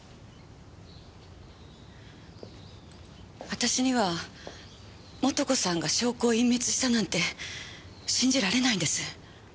私には素子さんが証拠を隠滅したなんて信じられないんです。